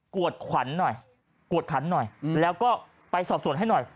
กวดขวัญหน่อยแล้วก็ไปสอบส่วนให้หน่อย